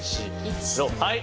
はい！